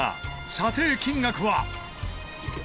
査定金額は。